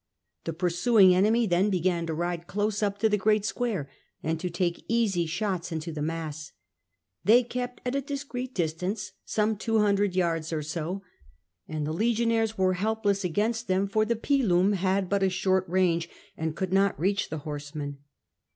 The pursuing enemy then began to ride close up to the great square, and to take easy shots into the mass. They kept at a discreet distance, some 200 yards or so, and the legionaries were helpless against them, for the 'pilwm had but a short range, and could not reach the horsemen.